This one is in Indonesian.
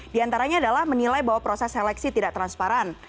di antaranya adalah menilai bahwa proses seleksi tidak transparan